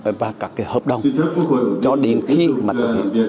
và các cái hợp đồng cho đến khi mà thực hiện